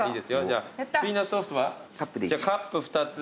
じゃあカップ２つ。